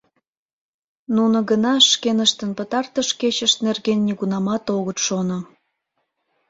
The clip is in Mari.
Нуно гына шкеныштын пытартыш кечышт нерген нигунамат огыт шоно...